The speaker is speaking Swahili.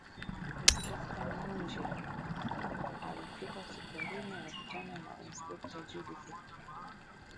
Inspekta Munje alifika hospitalini akakutana na Inspekta Judith